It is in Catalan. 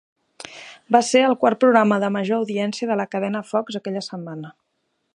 Va ser el quart programa de major audiència de la cadena Fox aquella setmana.